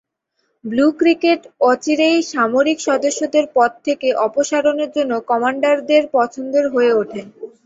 Blue ticket অচিরেই সামরিক সদস্যদের পদ থেকে অপসারণের জন্য কমান্ডারদের পছন্দের হয়ে ওঠে।